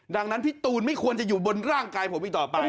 ดังนั้นพี่ตูนไม่ควรจะอยู่บนร่างกายผมอีกต่อไป